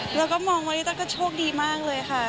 แล้วก็มองว่าริต้าก็โชคดีมากเลยค่ะ